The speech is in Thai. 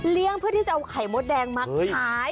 เพื่อที่จะเอาไข่มดแดงมาขาย